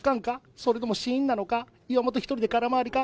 それともしーんなのか、岩本一人で空回りか？